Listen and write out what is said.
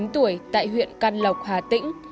một mươi chín tuổi tại huyện căn lộc hà tĩnh